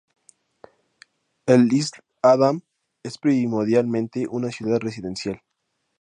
L'Isle-Adam es primordialmente una ciudad residencial.